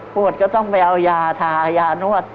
ก็ต้องไปเอายาทายานวด